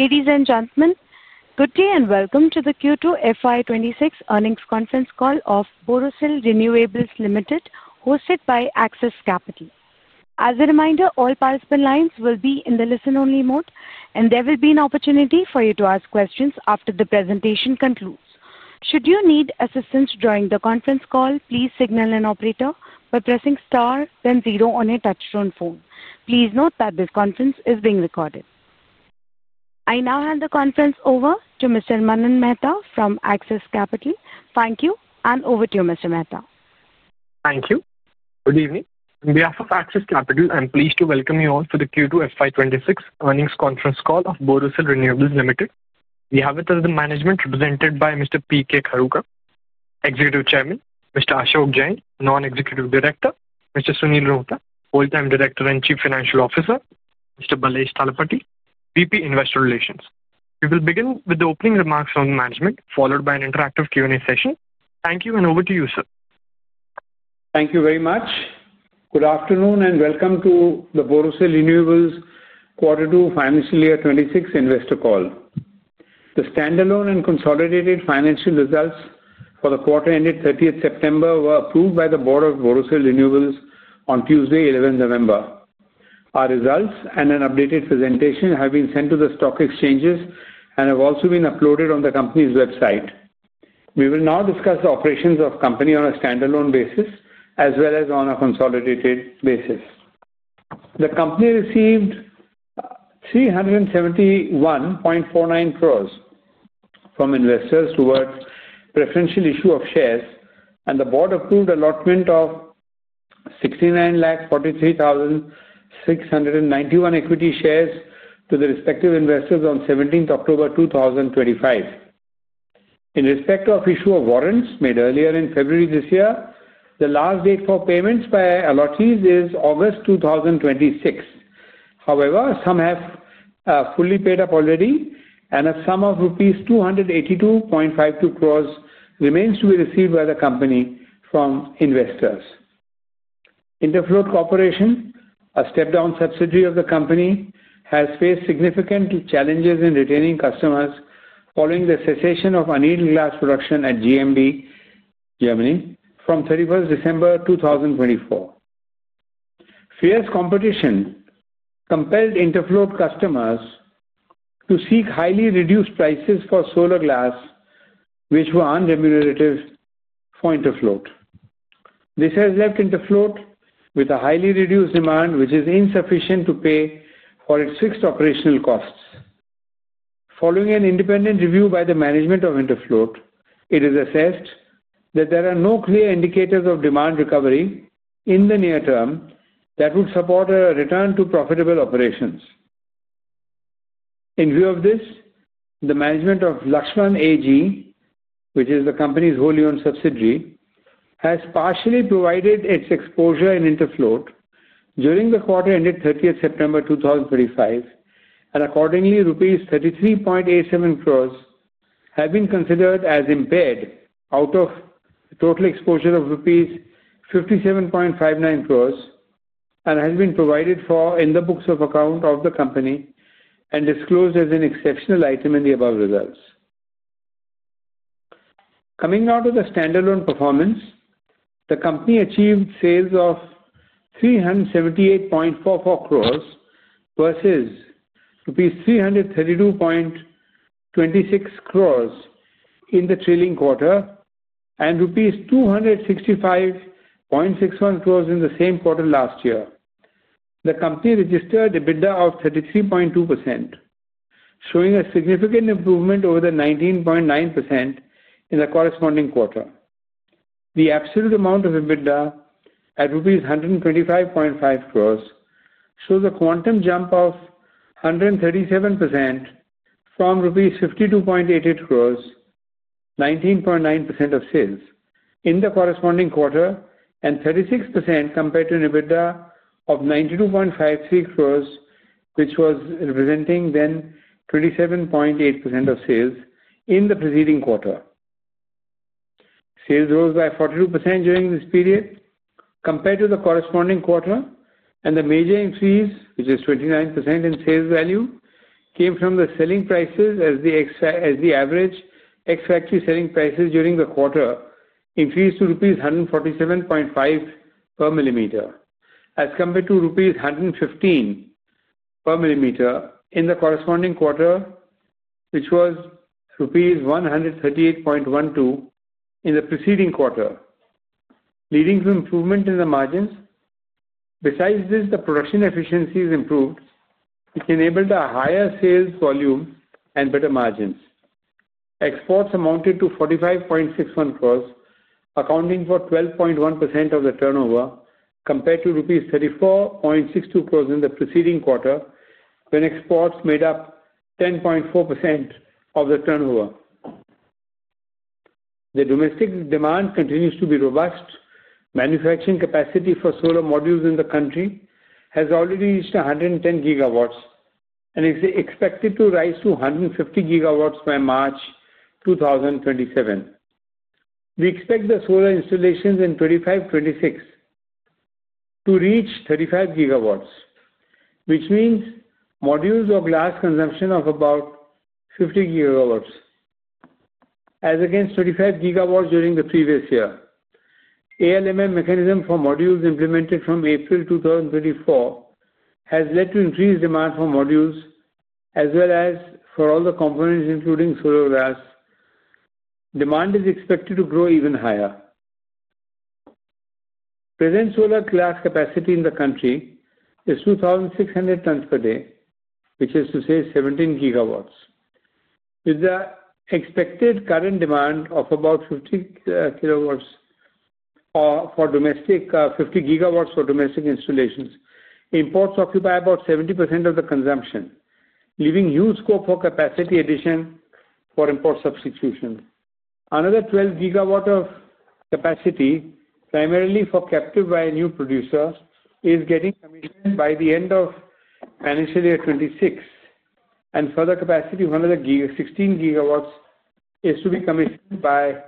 Ladies and gentlemen, good day, and welcome to the Q2 FY 'twenty six Earnings Conference Call of Borosil Renewables Limited, hosted by Axis Capital. As a reminder, all participant lines will be in the listen only mode, and there will be an opportunity for you to ask questions after the presentation concludes. Please note that this conference is being recorded. I now hand the conference over to Mr. Manan Mehta from Axis Capital. Thank you, and over to you, Mr. Mehta. Thank you. Good evening. On On behalf of Axis Capital, I'm pleased to welcome you all to the q two FY twenty six earnings conference call of Borussil Renewables Limited. We have it under management represented by mister P. K. Kharuka, executive chairman mister Ashok Jayant, nonexecutive director Mr. Sunil Rohta, Full Time Director and Chief Financial Officer Mr. Balesh Talapati, VP, Investor Relations. We will begin with the opening remarks from management followed by an interactive Q and A session. Thank you, and over to you, sir. Thank you very much. Good afternoon, and welcome to the Borosil Renewables quarter two financial year twenty six investor call. The stand alone and consolidated financial results for the quarter ended thirtieth September were approved by the board of Borosil Renewables on Tuesday, November. Our results and an updated presentation have been sent to the stock exchanges and have also been uploaded on the company's website. We will now discuss the operations of company on a stand alone basis as well as on a consolidated basis. The company received 371.49 crores from investors towards preferential issue of shares, and the board approved allotment of 69 lakh 43,691 equity shares to the respective investors on seventeenth October two thousand twenty five. In respect of issue of warrants made earlier in February, the last date for payments by Allotis is August 2026. However, some have fully paid up already and a sum of rupees 282.52 crores remains to be received by the company from investors. Interfloat Corporation, a step down subsidy of the company, has faced significant challenges in retaining customers following the cessation of annealing glass production at GMB, Germany from thirty first December two thousand twenty four. Fierce competition compelled Interfloat customers to seek highly reduced prices for solar glass, which were unremurative point of float. This has left Interfloat with a highly reduced demand, which is insufficient to pay for its fixed operational costs. Following an independent review by the management of Interfloat, it is assessed that there are no clear indicators of demand recovery in the near term that would support a return to profitable operations. In view of this, the management of Laxman AG, which is the company's wholly owned subsidiary, has partially provided its exposure in Interfloat during the quarter ended thirtieth September two thousand thirty five. And accordingly, rupees 33.87 crores have been considered as impaired out of total exposure of rupees 57.59 crores and has been provided for in the books of account of the company and disclosed as an exceptional item in the above results. Coming out of the stand alone performance, the company achieved sales of 378.44 crores versus rupees 332.26 crores in the trailing quarter and rupees 265.61 crores in the same quarter last year. The company registered EBITDA of 33.2%, showing a significant improvement over the 19.9% in the corresponding quarter. The absolute amount of EBITDA at rupees 125.5 crores shows a quantum jump of 137% from rupees 52.88 crores, 19.9% of sales in the corresponding quarter and 36% compared to an EBITDA of 92.56 crores, which was representing then 27.8% of sales in the preceding quarter. Sales rose by 42% during this period compared to the corresponding quarter, And the major increase, which is 29% in sales value, came from the selling prices as the as the average. Ex factory selling prices during the quarter increased to rupees 147.5 per millimeter as compared to rupees 115 per millimeter in the corresponding quarter, which was rupees 138.12 in the preceding quarter, leading to improvement in the margins. Besides this, the production efficiencies improved, which enabled a higher sales volume and better margins. Exports amounted to 45.61 crores, accounting for 12.1% of the turnover compared to rupees 34.62 crores in the preceding quarter when exports made up 10.4% of the turnover. The domestic demand continues to be robust. Manufacturing capacity for solar modules in the country has already reached a 110 gigawatts and is expected to rise to a 150 gigawatts by March 2027. We expect the solar installations in 2526 to reach 35 gigawatts, which means modules of glass consumption of about 50 gigawatts as against 35 gigawatts during the previous year. ALMM mechanism for modules implemented from April 2024 has led to increased demand for modules as well as for all the companies including solar glass. Demand is expected to grow even higher. Present solar glass capacity in the country is 2,600 tons per day, which is to say 17 gigawatts. With the expected current demand of about 50 kilowatts for domestic 50 gigawatts for domestic installations, imports occupy about 70% of the consumption, leaving used scope for capacity addition for import substitution. Another 12 gigawatt of capacity, primarily for captive by a new producer, is getting commissioned by the end of financial year '26. And further capacity of 100 gig 16 gigawatts is to be commissioned by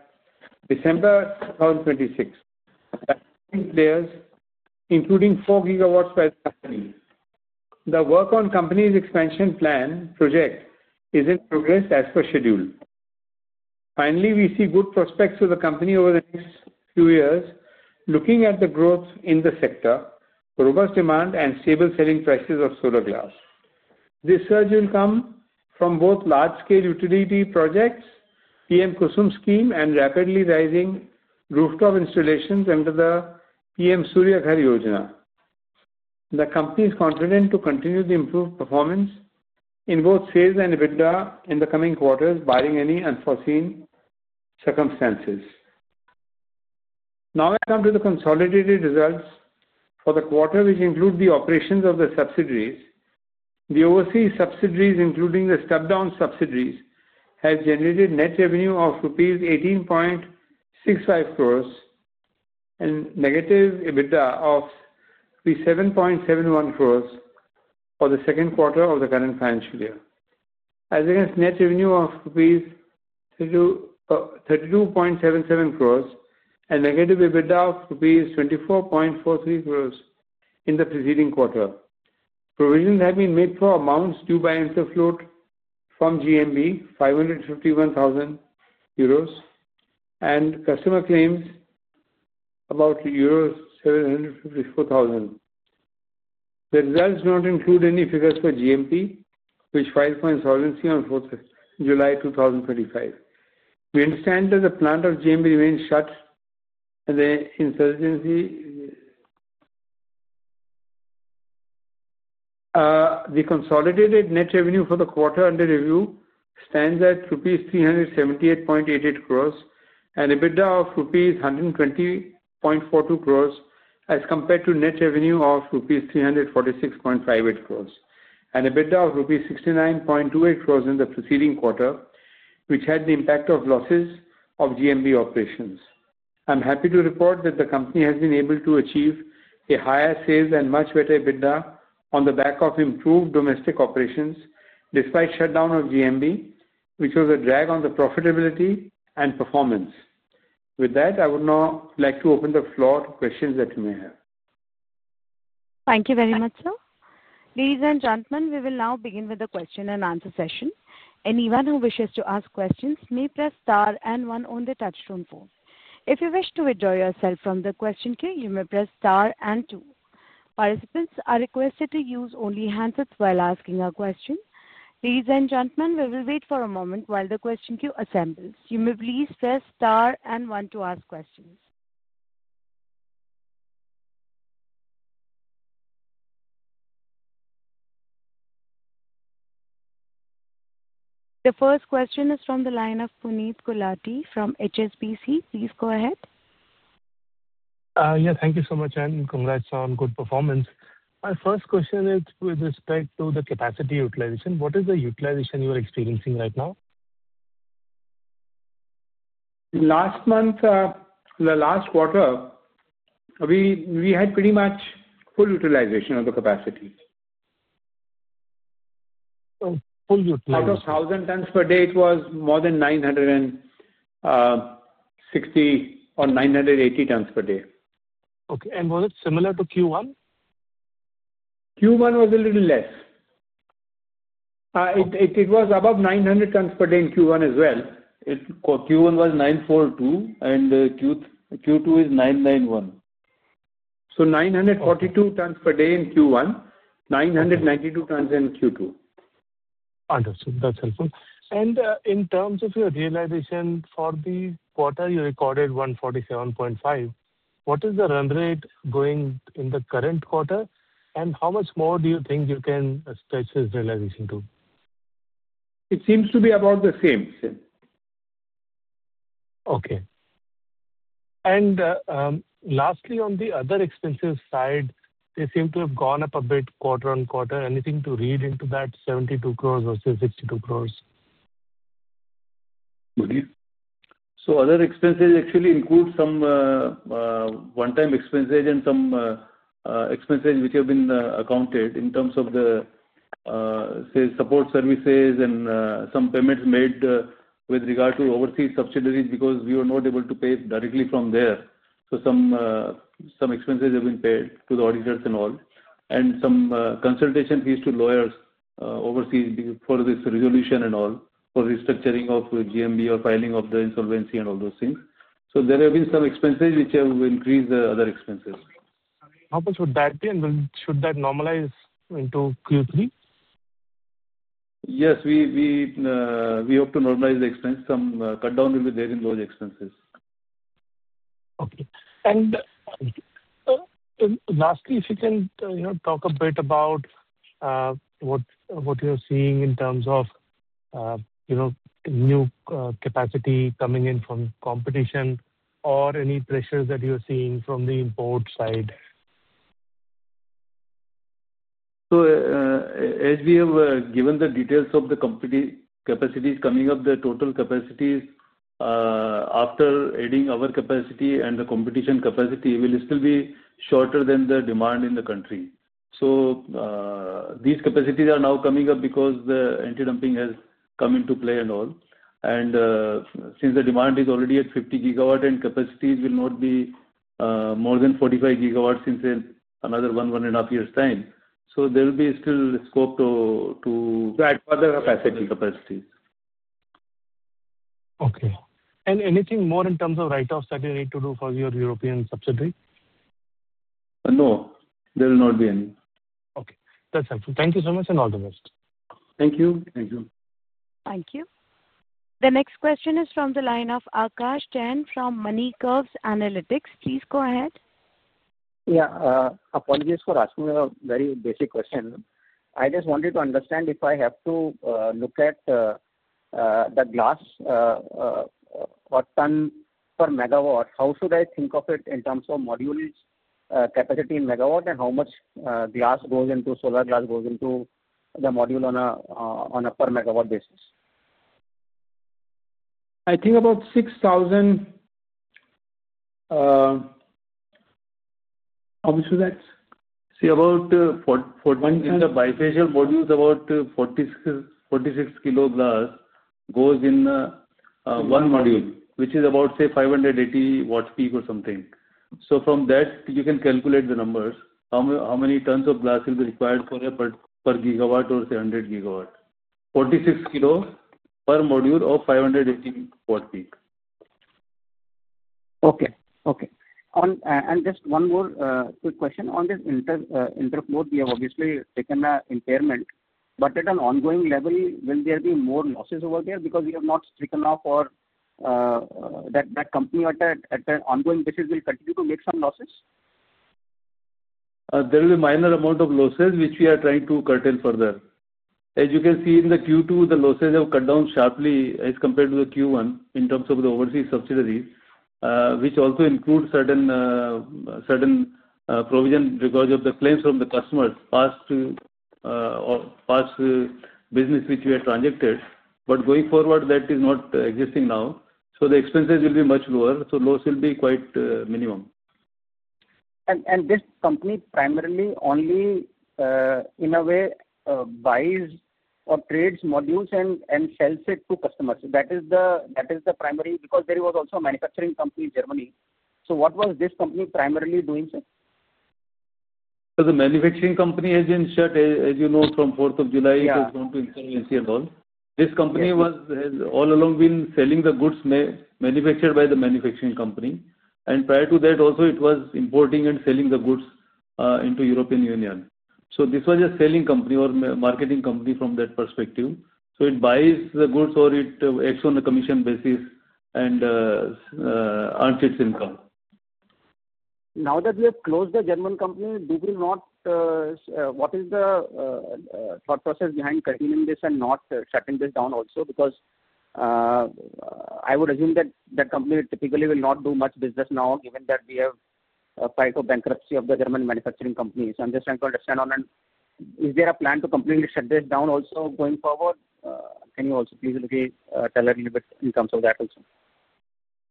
December 2026. Players including four gigawatts by the company. The work on company's expansion plan project is in progress as per schedule. Finally, we see good prospects for the company over the next few years looking at the growth in the sector, robust demand, and stable selling prices of solar glass. This surge will come from both large scale utility projects, PM Khusum scheme, and rapidly rising rooftop installations under the PM Surya Kharyojuna. The company is confident to continue the improved performance in both sales and EBITDA in the coming quarters barring any unforeseen circumstances. Now let's come to the consolidated results for the quarter, which include the operations of the subsidiaries. The overseas subsidiaries, including the step down subsidiaries, has generated net revenue of rupees 18.65 crores and negative EBITDA of $3.7.71 crores for the second quarter of the current financial year. As against net revenue of rupees 32.77 crores and negative EBITDA of rupees 24.43 crores in the preceding quarter. Provisions have been made for amounts due by Interfloat from GMV, €551,000, and customer claims about euros 754,000. The results not include any figures for GMP, which filed for insolvency on 07/04/2025. We understand that the plant of GMP remains shut The insurgency the consolidated net revenue for the quarter under review stands at rupees 378.88 crores and EBITDA of rupees 120.42 crores as compared to net revenue of rupees 346.58 crores and EBITDA of rupees 69.28 crores in the preceding quarter, which had the impact of losses of GMV operations. I'm happy to report that the company has been able to achieve a higher sales and much better EBITDA on the back of improved domestic operations despite shutdown of GMV, which was a drag on the profitability and performance. With that, I would now like to open the floor to questions that you may have. Thank you very much, sir. Ladies and gentlemen, we will now begin with the question and answer session. Anyone who wishes to ask questions may press star and 1 on the touch tone phone. If you wish to withdraw yourself from the question queue, you may press star and 2. Participants are requested to use only handsets while asking a question. Ladies and gentlemen, we will wait for a moment while the question queue assembles. You may please press star and 1 to ask questions. The first question is from the line of Puneet Gulati from HSBC. Congrats on good performance. My first question is with respect to the capacity utilization. What is the utilization you are experiencing right now? Last month the last quarter, we we had pretty much full utilization of the capacity. Oh, full utilization. Thousand tons per day, it was more than 960 or 980 tons per day. Okay. And was it similar to q one? Q one was a little less. It it it was above 900 tons per day in q one as well. It q one was 942, and the q q two is 991. So 942 tons per day in q one, nine 192 tons in q two. Understood. That's helpful. And in terms of your realization for the quarter, you recorded one forty seven point five. What is the run rate going in the current quarter? And how much more do you think you can stretch this realization to? It seems to be about the same, sir. Okay. And lastly, on the other expenses side, they seem to have gone up a bit quarter on quarter. Anything to read into that 72 crores versus 62 crores? Good deal. So other expenses actually include some onetime expenses and some expenses which have been accounted in terms of the sales support services and some payments made with regard to overseas subsidiaries because we were not able to pay directly from there. So some some expenses have been paid to the auditors and all. And some consultation fees to lawyers overseas for this resolution and all for restructuring of the GMB or filing of the insolvency and all those things. So there have been some expenses which will increase the other expenses. How much would that be, and then should that normalize into q three? Yes. We we we hope to normalize the expense. Some cut down will be there in those expenses. Okay. And and lastly, if you can, you know, talk a bit about what what you're seeing in terms of, you know, new capacity coming in from competition or any pressures that you're seeing from the import side? So as we have given the details of the company capacities coming up, the total capacities after adding our capacity and the competition capacity will still be shorter than the demand in the country. So these capacities are now coming up because the antidumping has come into play and all. And since the demand is already at 50 gigawatt and capacities will not be more than 45 gigawatts since then another one, one and a half years time, So there'll be still scope to to Right. Other capacity capacity. Okay. And anything more in terms of write offs that you need to do for your European subsidiary? No. There will not be any. Okay. That's helpful. Thank you so much, and all the best. Thank you. Thank you. Thank you. The next question is from the line of Akash Tan from MoneyCurve Analytics. Please go ahead. Yeah. Apologies for asking a very basic question. I just wanted to understand if I have to look at the glass per ton per megawatt. How should I think of it in terms of modules capacity in megawatt and how much glass goes into solar glass goes into the module on a, on a per megawatt basis? I think about 6,000. How much is that? See, about $4.04 1 is the bifacial module, about forty forty six kilo glass goes in one module, which is about, say, 580 watts peak or something. So from that, you can calculate the numbers. How how many tons of glass will be required for a per per gigawatt or 300 gigawatt? 46 kilo per module of 518 watt peak. Okay. Okay. On and just one more quick question. On this inter interpolate, we have obviously taken a impairment. But at an ongoing level, will there be more losses over there? Because we have not stricken off or that that company at that at that ongoing basis will continue to make some losses? There will be minor amount of losses, which we are trying to curtail further. As you can see in the q two, the losses have cut down sharply as compared to the q one in terms of the overseas subsidiary, which also includes certain certain provision because of the claims from the customers past to past business which we had transacted. But going forward, that is not existing now. So the expenses will be much lower. So those will be quite minimum. And and this company primarily only, in a way, buys or trades modules and and sells it to customers. That is the that is the primary because there was also a manufacturing company in Germany. So what was this company primarily doing, sir? So the manufacturing company has ensured, as you know, from July 4, it was going to. This company was has all along been selling the goods manufactured by the manufacturing company. And prior to that, also, it was importing and selling the goods into European Union. So this was a selling company or marketing company from that perspective. So it buys the goods or it acts on a commission basis and earns its income. Now that we have closed the German company, do we not what is the thought process behind curtailing this and not shutting this down also? Because I would assume that that company typically will not do much business now given that we have a type of bankruptcy of the German manufacturing companies. I'm just trying to understand on that. Is there a plan to completely shut this down also going forward? Can you also please, okay, tell a little bit in terms of that also?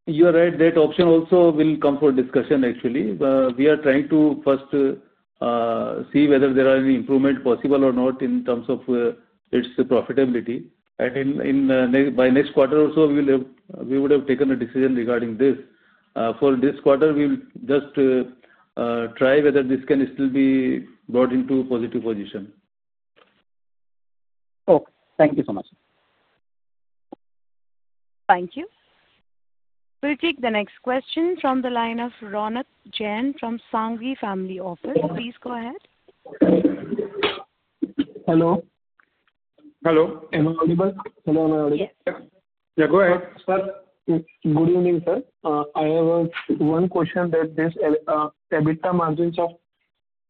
You're right. That option also will come for discussion, actually. We are trying to first see whether there are any improvement possible or not in terms of its profitability. And in in by next quarter also, we'll have we would have taken a decision regarding this. For this quarter, we'll just try whether this can still be brought into positive position. Okay. Thank you so much. Thank you. We'll take the next question from the line of Ronit Jain from Sangi Family Office. Please go ahead. Hello? Hello? Am I audible? Hello, ma'am? Yeah. Yeah. Go ahead, Good evening, sir. I have one question that this EBITDA margins of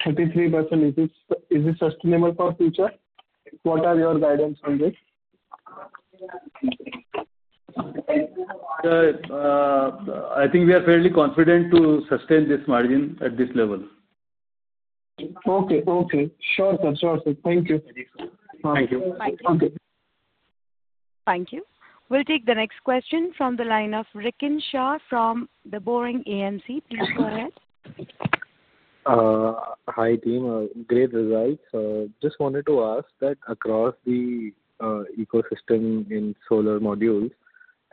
33 percent, is this is this sustainable for future? What are your guidance on this? I think we are fairly confident to sustain this margin at this level. Okay. Okay. Sure, sir. Sure, sir. Thank you. Thank Thank Bye. Okay. Thank you. We'll take the next question from the line of Rikinshaw from The Boring AMC. Please go ahead. Hi, team. Great results. Just wanted to ask that across the ecosystem in solar module,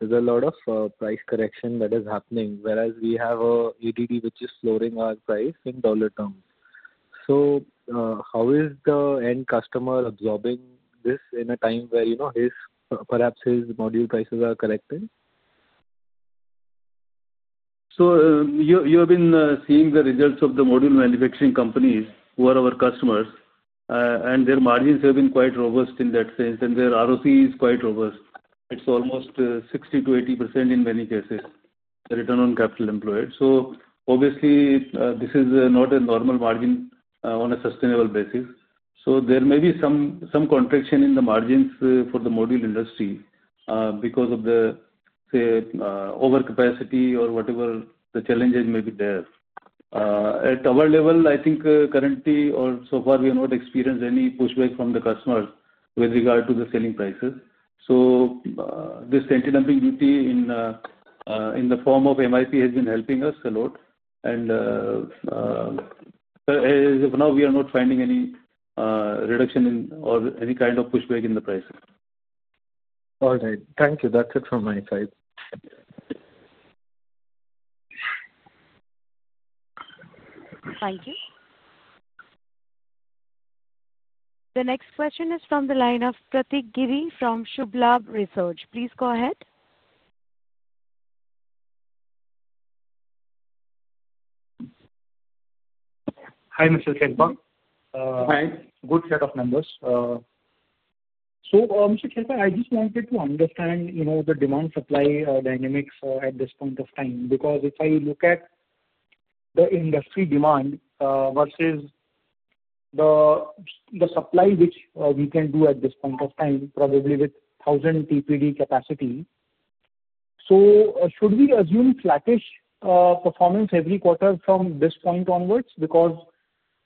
there's a lot of price correction that is happening, whereas we have a it did which is lowering our price in dollar terms. So how is the end customer absorbing this in a time where, you know, his perhaps his module prices are correcting? So you you have been seeing the results of the module manufacturing companies who are our customers, and their margins have been quite robust in that sense, and their ROC is quite robust. It's almost 60 to 80% in many cases, the return on capital employed. So, obviously, this is not a normal margin on a sustainable basis. So there may be some some contraction in the margins, for the module industry, because of the, say, overcapacity or whatever the challenges may be there. At our level, I think, currently or so far, we have not experienced any pushback from the customers with regard to the selling prices. So this entity in in the form of MIP has been helping us a lot. And as of now, we are not finding any reduction in or any kind of pushback in the price. Alright. Thank you. That's it from my side. Thank you. The next question is from the line of Pratik Giri from Shublab Research. Please go ahead. Hi, mister. Hi. Good set of numbers. So, mister, I just wanted to understand, you know, the demand supply dynamics at this point of time. Because if I look at the industry demand, versus the the supply which, we can do at this point of time, probably with thousand PPD capacity, So should we assume flattish, performance every quarter from this point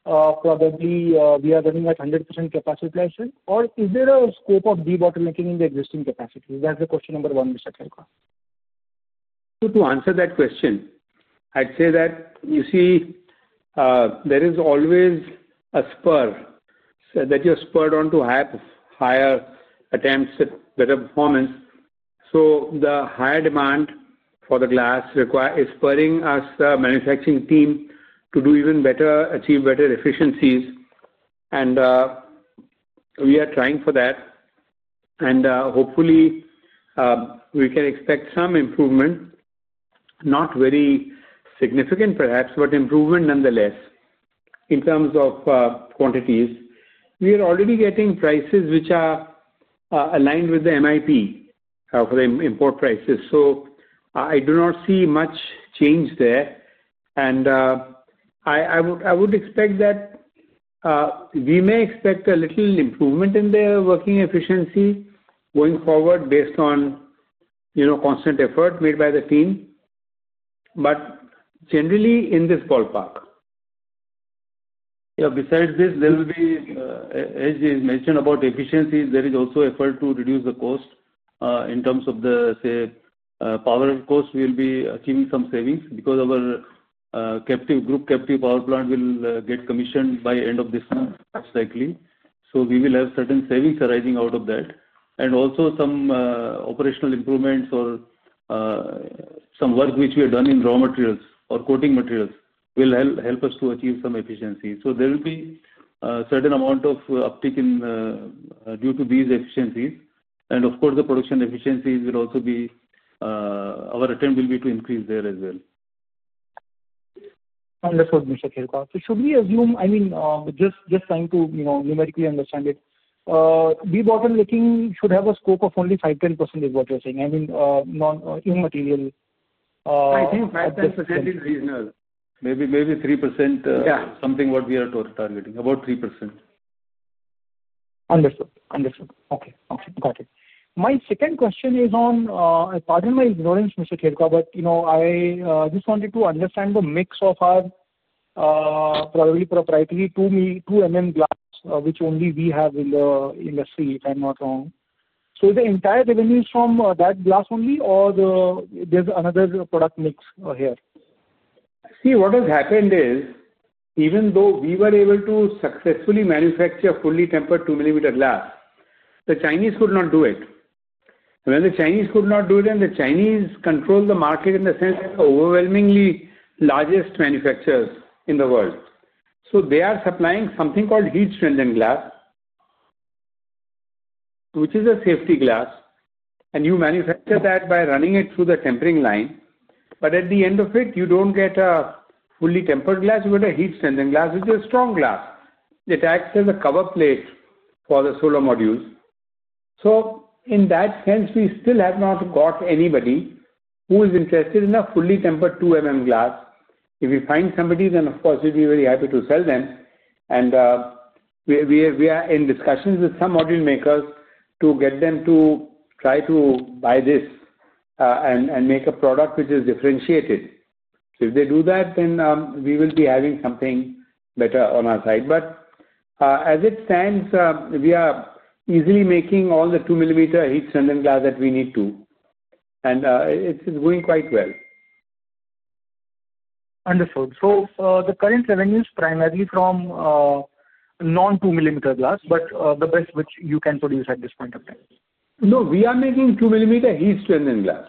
onwards? Because, probably, we are getting, 100% capacity pressure, or is there a scope of debottlenecking in the existing capacity? That's the question number one, mister. To to answer that question, I'd say that you see, there is always a spur so that you're spurred on to have higher attempts at better performance. So the higher demand for the glass require is spurring us, the manufacturing team, to do even better, achieve better efficiencies. And we are trying for that. And, hopefully, we can expect some improvement. Not very significant perhaps, but improvement nonetheless in terms of quantities. We are already getting prices which are aligned with the MIP, how for the import prices. So I do not see much change there. And I I would I would expect that we may expect a little improvement in their working efficiency going forward based on, you know, constant effort made by the team, but generally in this ballpark. Yeah. Besides this, there will be as you mentioned about the efficiencies, there is also effort to reduce the cost in terms of the, say, power cost. We'll be achieving some savings because our captive group captive power plant will get commissioned by end of this month, most likely. So we will have certain savings arising out of that, and also some operational improvements or some work which we have done in raw materials or coating materials will help help us to achieve some efficiencies. So there will be certain amount of uptick in due to these efficiencies. And, of course, the production efficiencies will also be our attempt will be to increase there as well. Understood, mister Kilkat. So should we assume I mean, just just trying to, you know, numerically understand it. We've gotten leaking should have a scope of only 10% is what you're saying. I mean, non immaterial. I think 10% is reasonable. Maybe maybe 3% Yeah. Something what we are towards targeting. About 3%. Understood. Understood. Okay. Okay. Got it. My second question is on pardon my ignorance, mister Kilkha, but, you know, I just wanted to understand the mix of our probably proprietary two me two glass, which only we have in the industry, if I'm not wrong. So the entire revenues from that glass only or the there's another product mix here? See, what has happened is even though we were able to successfully manufacture fully tempered two millimeter glass, the Chinese could not do it. When the Chinese could not do it, then the Chinese control the market in the sense of overwhelmingly largest manufacturers in the world. So they are supplying something called heat shielding glass, which is a safety glass, and you manufacture that by running it through the tempering line. But at the end of it, you don't get a fully tempered glass with a heat sending glass. It's a strong glass. It acts as a cover plate for the solar modules. So in that sense, we still have not got anybody who is interested in a fully tempered two glass. If you find somebody, then, of course, we'd be very happy to sell them. And we we we are in discussions with some module makers to get them to try to buy this and and make a product which is differentiated. If they do that, then we will be having something better on our side. But as it stands, we are easily making all the two millimeter heat cylinder that we need to, and it's it's going quite well. Understood. So the current revenue is primarily from non two millimeter glass, but the best which you can produce at this point of time. No. We are making two millimeter heat strengthened glass.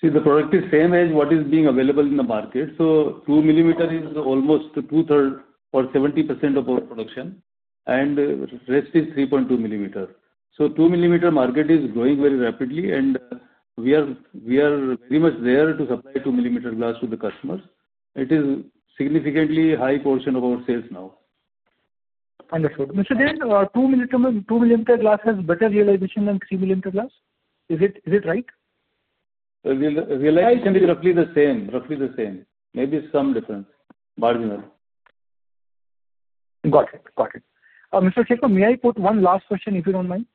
See, the product is same as what is being available in the market. So two millimeter is almost two third or 70% of our production, and the rest is 3.2 millimeter. So two millimeter market is growing very rapidly, and we are we are pretty much there to supply two millimeter glass to the customers. It is significantly high portion of our sales now. Understood. Mister Dan, two millimeter two millimeter glass has better realization than three millimeter glass. Is it is it right? Reli Reli can be roughly the same roughly the same. Maybe some difference. Marginal. Got it. Got it. Mister, may I put one last question, if you don't mind?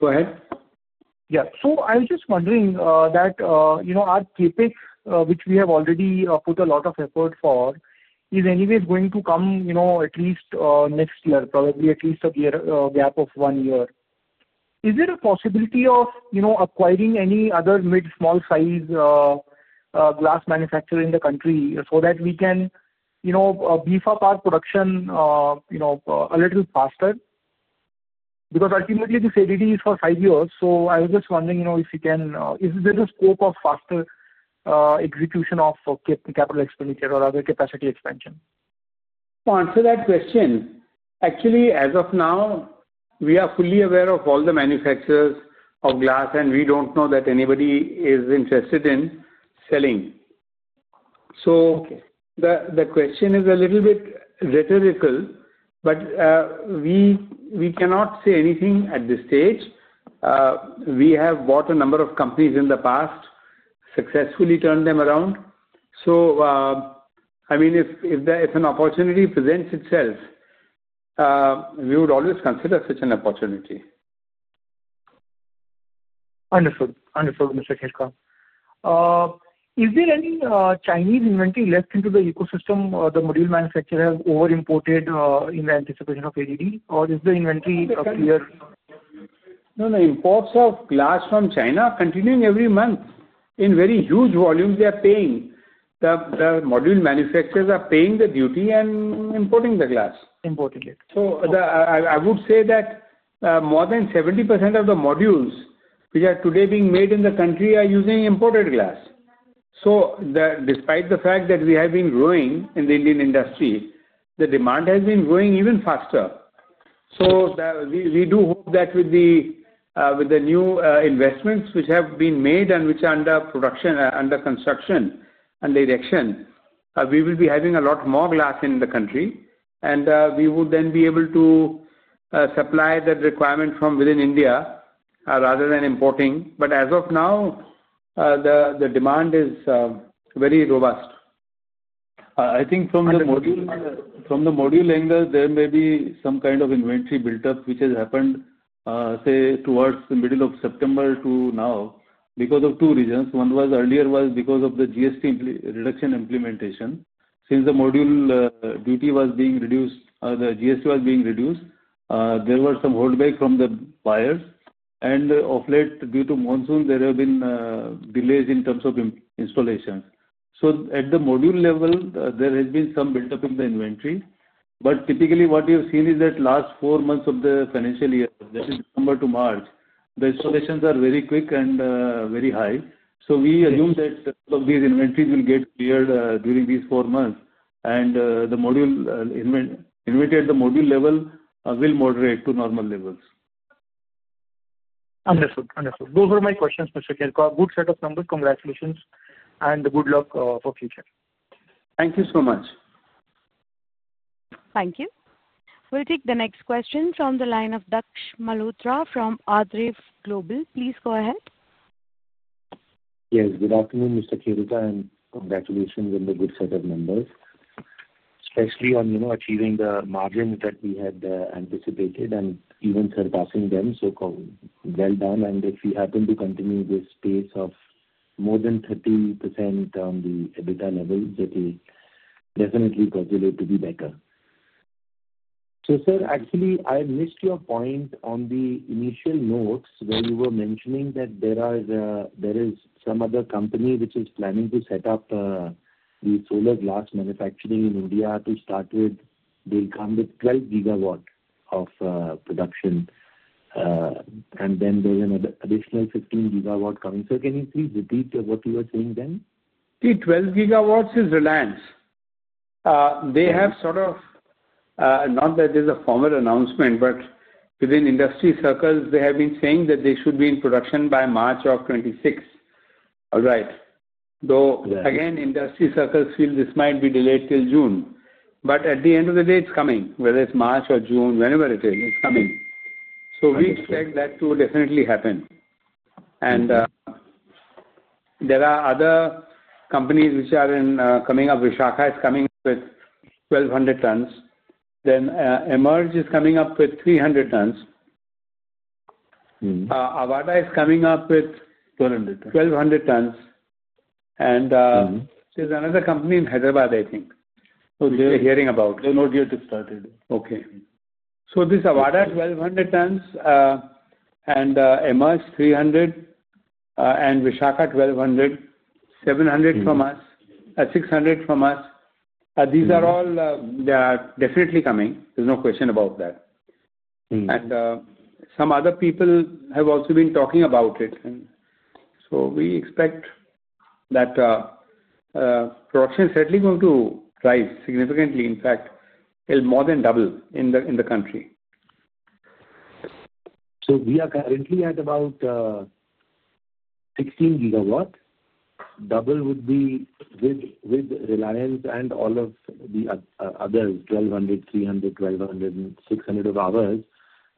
Go ahead. Yeah. So I was just wondering, that, you know, our CapEx, which we have already put a lot of effort for, is anyways going to come, you know, at least, next year, probably at least a year, gap of one year. Is there a possibility of, you know, acquiring any other mid small size, glass manufacturer in the country so that we can, you know, beef up our production, you know, a little faster? Because, ultimately, this ADT is for five years. So I was just wondering, you know, if you can is there a scope of faster execution of capital expenditure or other capacity expansion? To answer that question, actually, as of now, we are fully aware of all the manufacturers of glass, and we don't know that anybody is interested in selling. So Okay. The the question is a little bit rhetorical, but we we cannot say anything at this stage. We have bought a number of companies in the past, successfully turned them around. So, I mean, if if there if an opportunity presents itself, we would always consider such an opportunity. Understood. Understood, mister. Is there any Chinese inventory left into the ecosystem or the module manufacturer over imported of LED, or is the inventory not clear? No. No. Imports of glass from China continuing every month. In very huge volumes, they are paying. The the module manufacturers are paying the duty and importing the glass. Importing it. So the I I I would say that, more than 70% of the modules, which are today being made in the country are using imported glass. So the despite the fact that we have been growing in the Indian industry, the demand has been growing even faster. So that we we do hope that with the with the new investments which have been made and which are under production under construction and direction, we will be having a lot more glass in the country. And we would then be able to supply that requirement from within India rather than importing. But as of now, the the demand is very robust. I think from the module from the module angle, there may be some kind of inventory buildup, which has happened, say, towards the September to now because of two reasons. One was earlier was because of the GST reduction implementation. Since the module duty was being reduced, the GST was being reduced, there were some holdback from the buyers. And of late due to monsoon, there have been delays in terms of installation. So at the module level, there has been some buildup in the inventory. But, typically, what you've seen is that last four months of the financial year, that is December to March, the installations are very quick and very high. So we assume that some of these inventories will get cleared during these four months, and the module inventory at the module level will moderate to normal levels. Understood. Those are my questions, mister Kilkha. Good set of numbers. Congratulations, and good luck for future. Thank you so much. Thank you. We'll take the next question from the line of Daksh Malhotra from Adreif Global. Please go ahead. Yes. Good afternoon, mister Kirtan, and congratulations on the good set of members, especially on, you know, achieving the margins that we had anticipated and even surpassing them, so well done. And if we happen to continue this space of more than 30% on the EBITDA level, it will definitely cause you to be better. So, sir, actually, I've missed your point on the initial notes where you were mentioning that there are the there is some other company which is planning to set up the solar glass manufacturing in India to start with. They come with 12 gigawatt of production, And then there's another additional 15 gigawatts coming. So can you please repeat what you are saying then? The 12 gigawatts is the lands. They have sort of not that there's a formal announcement, but within industry circles, they have been saying that they should be in production by March '26. Alright. Though Yeah. Again, industry circles feel this might be delayed till June. But at the end of the day, it's coming. Whether it's March or June, whenever it is, it's coming. So we expect that to definitely happen. And there are other companies which are in coming up with Shaka is coming with 1,200 tons. Then Emerge is coming up with 300 tons. Mhmm. Avada is coming up with 1,200 tons. 1,200 tons. And Mhmm. There's another company in Hyderabad, I think. So they're hearing about. They're not yet to start it. Okay. So this Avada is 1,200 tons, and, Imaj, 300, and Vishaka, 1,200, 700 from us, 600 from us. These are all, definitely coming. There's no question about that. And some other people have also been talking about it. And so we expect that production certainly going to rise significantly. In fact, it'll more than double in the in the country. So we are currently at about 16 gigawatt. Double would be with with Reliance and all of the other 1,200, 300, 1,200, and 600.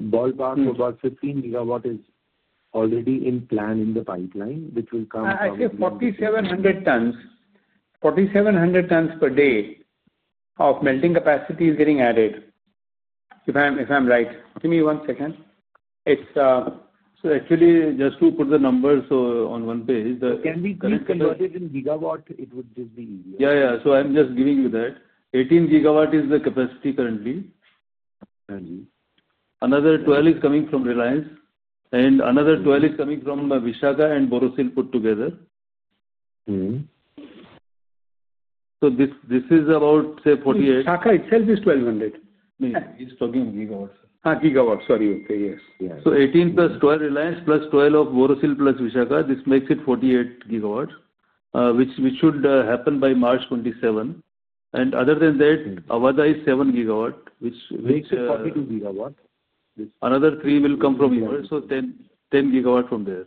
Ballpark about 15 gigawatt is already in plan in the pipeline, which will come I I say 4,700 tons 4,700 tons per day of melting capacity is getting added, if I'm if I'm right. Give me one second. It's so, actually, just to put the numbers on one page, the Can we please convert it in gigawatt? It would just be easier. Yeah. Yeah. So I'm just giving you that. 18 gigawatt is the capacity currently. Another 12 is coming from Reliance, and another 12 is coming from the Vishaga and Borosil put together. Mhmm. So this this is about, say, 48. Shaka, says it's 1,200. I mean, it's talking gigawatts. Gigawatts. Sorry. Okay. Yes. Yeah. So 18 plus 12 Reliance plus 12 of Vorasil plus Vishaka, this makes it 48 gigawatts, which which should happen by March 27. And other than that, Avada is seven gigawatt, which Makes it 42 gigawatt. Another three will come from here, so ten ten gigawatt from there.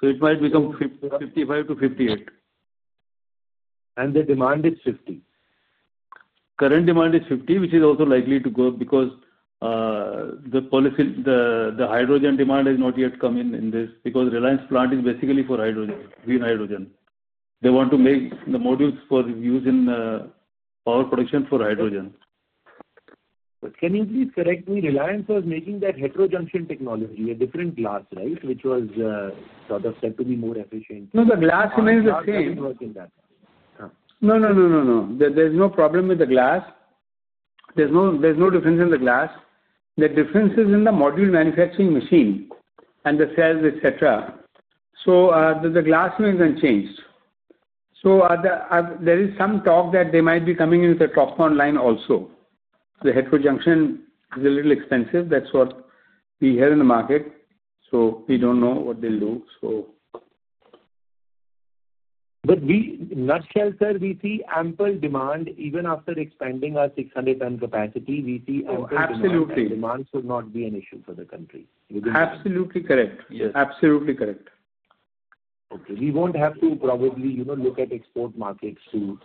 So it might become 55 to 58. And the demand is 50? Current demand is 50, which is also likely to go because the policy the the hydrogen demand has not yet come in in this because Reliance plant is basically for hydrogen green hydrogen. They want to make the modules for using power production for hydrogen. Can you please correct me? Reliance was making that heterojunction technology, a different glass, right, which was sort of said to be more efficient. No. The glass remains the same. In that. No. No. No. No. No. There there's no problem with the glass. There's no there's no difference in the glass. The difference is in the module manufacturing machine and the cells, etcetera. So the the glass remains unchanged. So the there is some talk that they might be coming in with the top line also. The head for junction is a little expensive. That's what we had in the market. So we don't know what they'll do. So But we nutshell, sir, we see ample demand even after expanding our 600 ton capacity. We see ample demand demand should not be an issue for the country. You do not Absolutely correct. Yes. Absolutely correct. Okay. We won't have to probably, you know, look at export markets to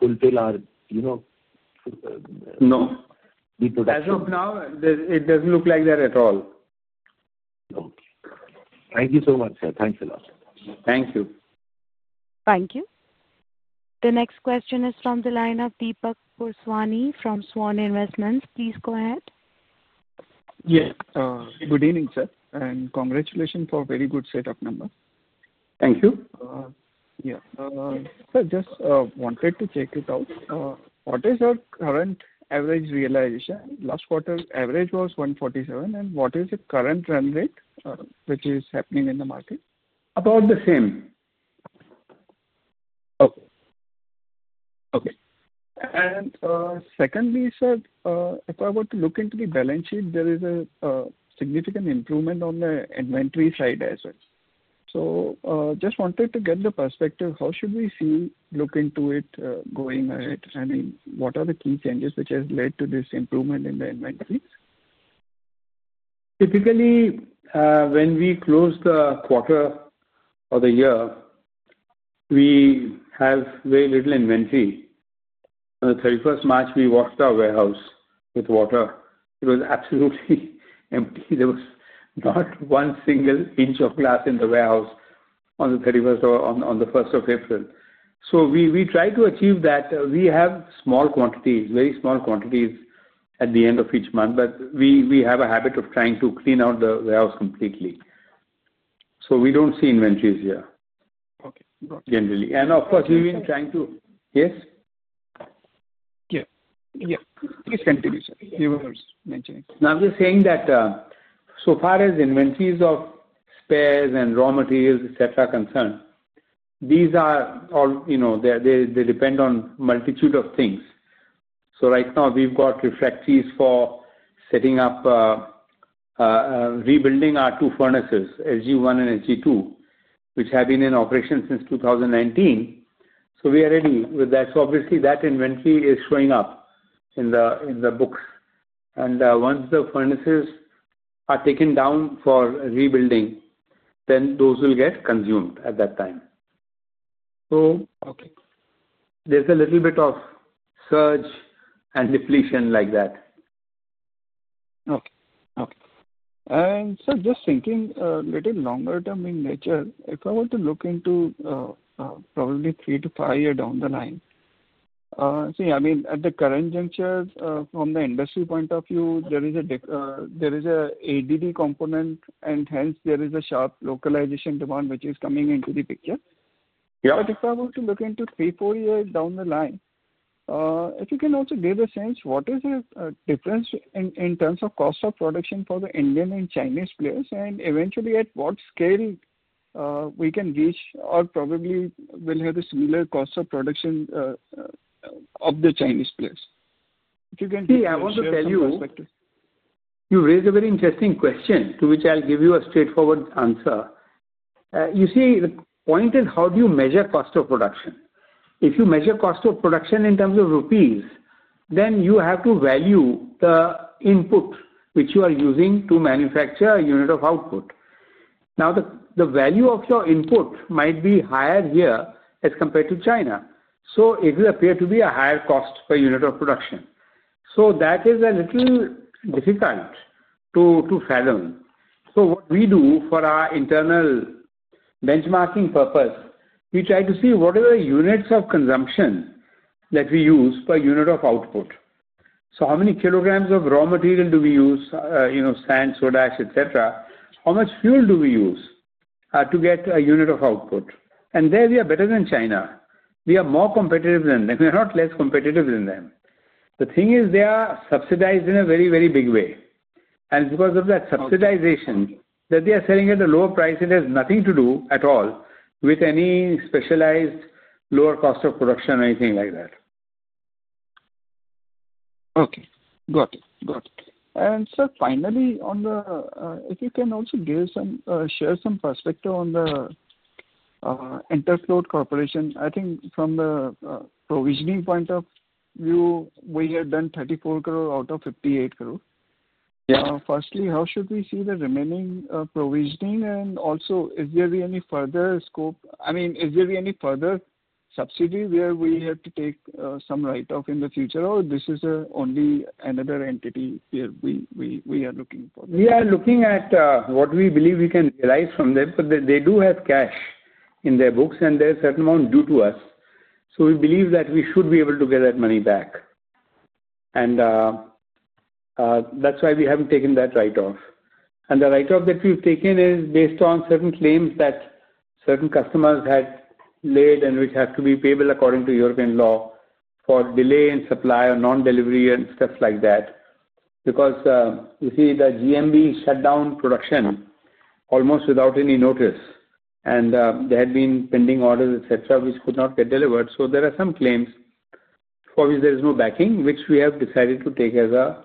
fulfill our you know? No. We could As of now, there it doesn't look like that at all. Okay. Thank you so much, sir. Thanks a lot. Thank you. Thank you. The next question is from the line of Deepak Pouraswani from Swan Investments. Please go ahead. Yes. Good evening, sir, and congratulation for very good set of number. Thank you. Yeah. Sir, just wanted to check it out. What is your current average realization? Last quarter, average was $1.47. And what is the current run rate which is happening in the market? About the same. Okay. Okay. And secondly, sir, if I were to look into the balance sheet, there is a significant improvement on the inventory side as well. So just wanted to get the perspective. How should we see look into it going ahead? I mean, what are the key changes which has led to this improvement in the inventories? Typically, when we closed the quarter or the year, we have very little inventory. On the thirty first March, we washed our warehouse with water. It was absolutely empty. There was not one single inch of glass in the warehouse on the thirty first or on on the April 1. So we we try to achieve that. We have small quantities, very small quantities at the end of each month, but we we have a habit of trying to clean out the warehouse completely. So we don't see inventories here Okay. Got it. Generally. And, of course, we've been trying to yes? Yeah. Yeah. Please continue, sir. You will first mention it. Now I'm just saying that so far as inventories of spares and raw materials, etcetera, concerned, these are all you know, they they they depend on multitude of things. So right now, we've got reflectees for setting up rebuilding our two furnaces, s g one and s g two, which have been in operation since 2019. So we are ready with that. So, obviously, that inventory is showing up in the in the books. And once the furnaces are taken down for rebuilding, then those will get consumed at that time. So Okay. There's a little bit of surge and depletion like that. Okay. Okay. And, sir, just thinking little longer term in nature, if I were to look into probably three to five year down the line, See, I mean, at the current juncture, from the industry point of view, there is a deck there is a ADD component, and hence, there is a sharp localization demand which is coming into the picture. Yeah. But if I want to look into three, four years down the line, if you can also give a sense, what is the difference in in terms of cost of production for the Indian and Chinese players? And, eventually, at what scale we can reach or probably will have a similar cost of production of the Chinese players. If you can See, want to tell you perspective. You raised a very interesting question to which I'll give you a straightforward answer. You see, the point is how do you measure cost of production. If you measure cost of production in terms of rupees, then you have to value the input which you are using to manufacture a unit of output. Now the the value of your input might be higher here as compared to China. So it will appear to be a higher cost per unit of production. So that is a little difficult to to fathom. So what we do for our internal benchmarking purpose, we try to see what are the units of consumption that we use per unit of output. So how many kilograms of raw material do we use, you know, sand, soda, etcetera? How much fuel do we use to get a unit of output? And there, we are better than China. We are more competitive than them. We are not less competitive than them. The thing is they are subsidized in a very, very big way. And because of that subsidization that they are selling at a lower price, it has nothing to do at all with any specialized lower cost of production or anything like that. Okay. Got it. Got it. And, sir, finally, on the if you can also give some, share some perspective on the, Interfloat Corporation. I think from the, provisioning point of view, we had done 34 out of 58. Yeah. Firstly, how should we see the remaining provisioning? And, also, is there any further scope I mean, is there any further subsidy where we have to take some write off in the future, or this is only another entity here we we we are looking looking for? For? We are looking at what we believe we can derive from them, but they they do have cash in their books, and there's certain amount due to us. So we believe that we should be able to get that money back. And that's why we haven't taken that write off. And the write off that we've taken is based on certain claims that certain customers had laid and which have to be payable according to European law for delay in supply or non delivery and stuff like that. Because, you see, the GMV shut down production almost without any notice. And, there had been pending orders, etcetera, which could not get delivered. So there are some claims for which there is no backing, which we have decided to take as a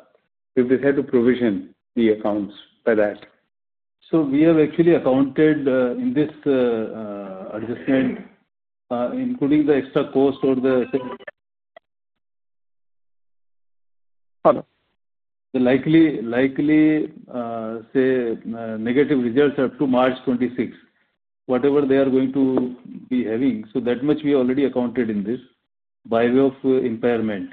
we've decided to provision the accounts for that. So we have actually accounted in this adjustment, including the extra cost or the Hello? The likely likely, say, negative results up to March 26, whatever they are going to be having. So that much we already accounted in this by way of impairment.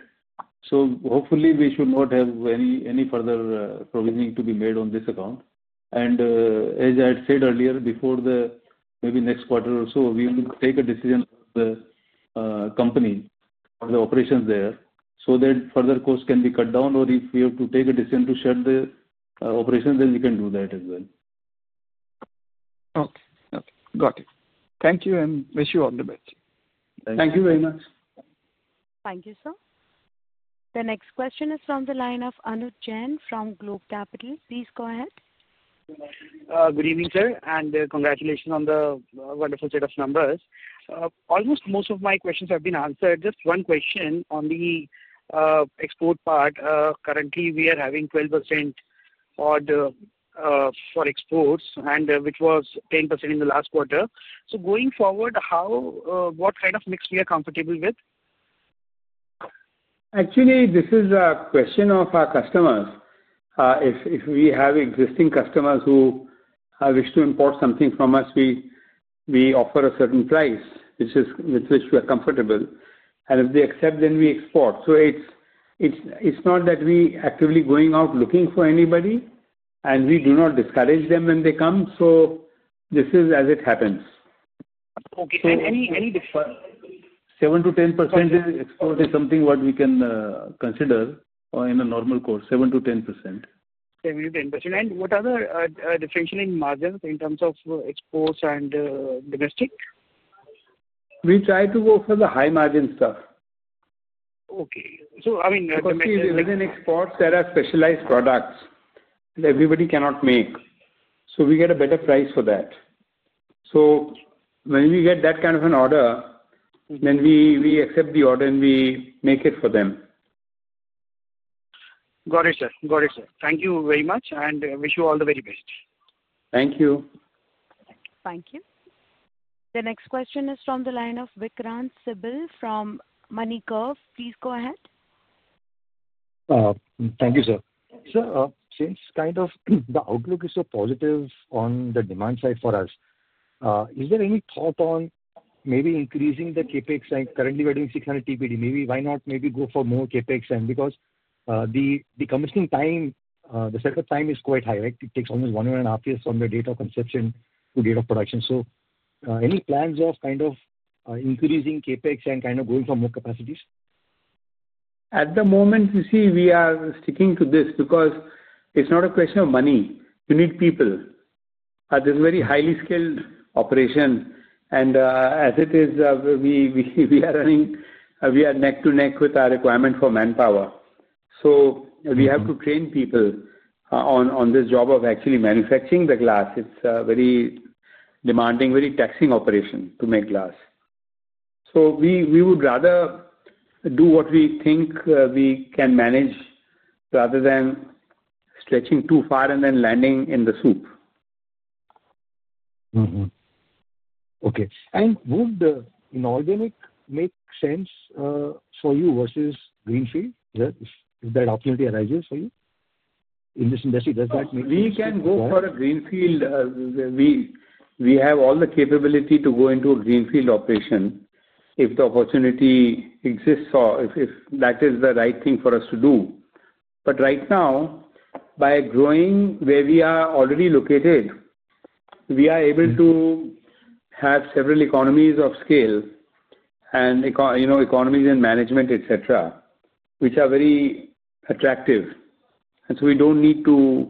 So, hopefully, we should not have any any further provisioning to be made on this account. And as I said earlier before the maybe next quarter or so, we'll take a decision of the company or the operations there so that further cost can be cut down. Or if we have to take a decision to shut the operation, then we can do that as well. Okay. Okay. Got it. Thank you, and wish you all the best. Thank you. Very much. Thank you, sir. The next question is from the line of Anuj Jain from Globe Capital. Please go ahead. Good evening, sir, and congratulation on the wonderful set of numbers. Almost most of my questions have been answered. Just one question on the export part. Currently, we are having 12% order for exports and which was 10% in the last quarter. So going forward, how what kind of mix we are comfortable with? Actually, this is a question of our customers. If if we have existing customers who wish to import something from us, we we offer a certain price, which is with which we are comfortable. And if they accept, then we export. So it's it's it's not that we actively going out looking for anybody, and we do not discourage them when they come. So this is as it happens. Okay. And any any differ Seven to 10% is is probably something what we can consider in a normal course. Seven to 10%. 10 to 10%. Other differentiating margins in terms of exports and domestic? We try to go for the high margin stuff. Okay. So, I mean, domestic Within exports, there are specialized products that everybody cannot make. So we get a better price for that. So when we get that kind of an order, then we we accept the order, and we make it for them. Got it, sir. Got it, sir. Thank you very much, and wish you all the very best. Thank you. Thank you. The next question is from the line of Vikram Sibal from MoneyGov. Please go ahead. Thank you, sir. Sir, since kind of the outlook is so positive on the demand side for us, is there any thought on maybe increasing the CapEx? Like, currently, we're doing 600 TPD. Maybe why not maybe go for more CapEx? And because the the commissioning time the setup time is quite high. Right? It takes only one and a half years from the data conception to data production. So any plans of kind of increasing CapEx and kind of going from more capacities? At the moment, you see, we are sticking to this because it's not a question of money. You need people. This is very highly skilled operation. And as it is, we we we are running. We are neck to neck with our requirement for manpower. So we have to train people on on this job of actually manufacturing the glass. It's very demanding, very taxing operation to make glass. So we we would rather do what we think we can manage rather than stretching too far and then landing in the soup. Mhmm. Okay. And would the inorganic make sense, for you versus greenfield? Yeah. If if that opportunity arises for you in this industry, does that make sense? Go for a greenfield. We we have all the capability to go into a greenfield operation if the opportunity exists or if if that is the right thing for us to do. But right now, by growing where we are already located, we are able to have several economies of scale and, you know, economies and management, etcetera, which are very attractive. And so we don't need to,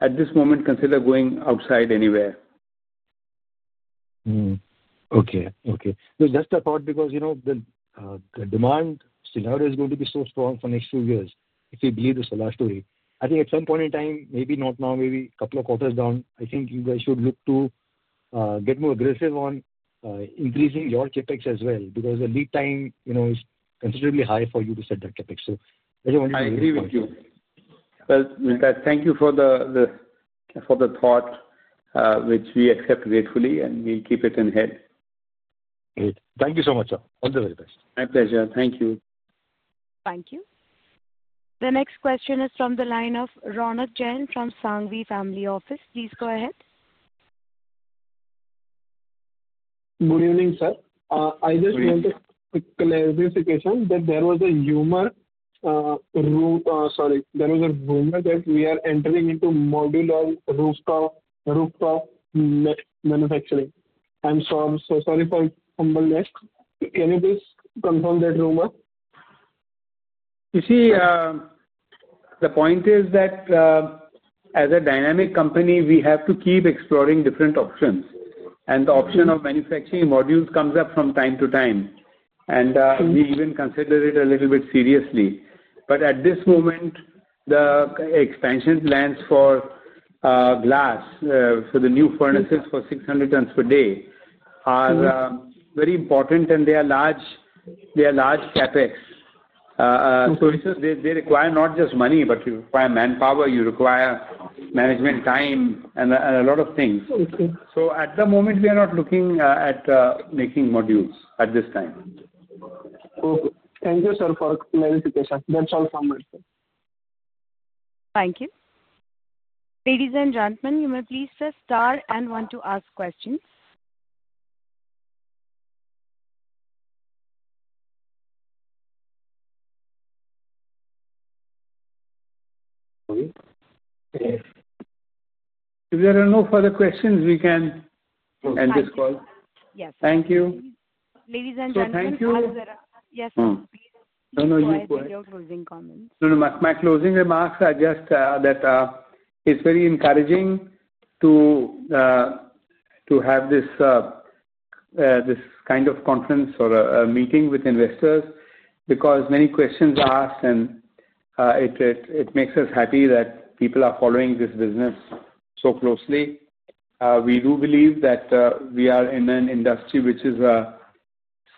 at this moment, consider going outside anywhere. Okay. Okay. Well, that's the thought because, you know, the the demand scenario is going to be so strong for next two years if you believe this is last story. I think at some point in time, maybe not now, maybe couple of quarters down, I think you guys should look to, get more aggressive on, increasing your CapEx as well because the lead time, you know, is considerably high for you to set that CapEx. So I don't want you to I agree with you. Well, with that, thank you for the the for the thought, which we accept gratefully, and we keep it in head. Great. Thank you so much, sir. All the very best. My pleasure. Thank you. Thank you. The next question is from the line of Ronald Jain from Sangvi Family Office. Please go ahead. Good evening, sir. Just wanted clarification that there was a humor in route sorry. There was a rumor that we are entering into modular rooftop rooftop manufacturing. I'm so I'm so sorry for humbledness. Can you please confirm that rumor? You see, the point is that as a dynamic company, we have to keep exploring different options. And the option of manufacturing modules comes up from time to time, And we even consider it a little bit seriously. But at this moment, the expansion plans for glass for the new furnaces for 600 tons per day are very important, and they are large they are large CapEx. So it's just they they require not just money, but you require manpower. You require management time and a and a lot of things. Okay. So at the moment, we are not looking, at, making modules at this time. Okay. Thank you, sir, for clarification. That's all from me, sir. Thank you. Ladies and gentlemen, you may please press star and 1 to ask questions. If there are no further questions, we can end this call. Yes. Thank you. Ladies and gentlemen, as there are yes, sir. Please go ahead with your closing comments. No. No. My my closing remarks are just that it's very encouraging to to have this this kind of conference or a meeting with investors because many questions asked, and it it it makes us happy that people are following this business so closely. We do believe that we are in an industry which is a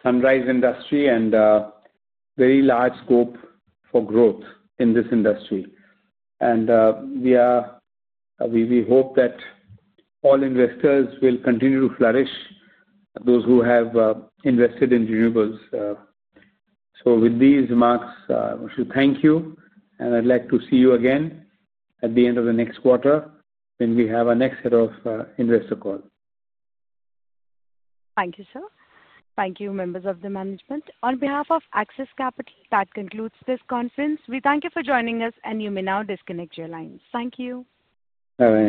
sunrise industry and very large scope for growth in this industry. And we are we we hope that all investors will continue to flourish, those who have invested in renewables. So with these remarks, we should thank you. And I'd like to see you again at the end of the next quarter when we have our next set of investor call. Thank you, sir. Thank you, members of the management. On behalf of Axis Capital, that concludes this conference. We thank you for joining us, and you may now disconnect your lines. Thank you. Bye bye.